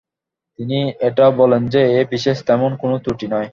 তিনি এটাও বলেন যে এ বিশেষ তেমন কোনো ত্রুটি নয়।